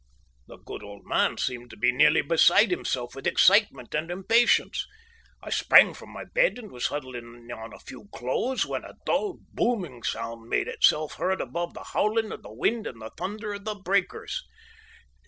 The good old man seemed to be nearly beside himself with excitement and impatience. I sprang from my bed, and was huddling on a few clothes, when a dull, booming sound made itself heard above the howling of the wind and the thunder of the breakers.